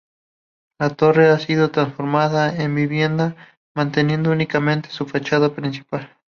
La torre ha sido transformada en vivienda manteniendo únicamente su fachada principal.